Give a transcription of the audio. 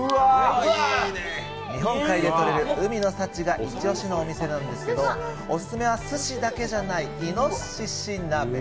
日本海でとれる海の幸がイチ押しのお店なんですけど、オススメはすしだけでないいのしし鍋。